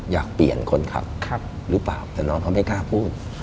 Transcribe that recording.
อยากเปลี่ยนคนขับหรือเปล่าแต่น้องเขาไม่กล้าพูด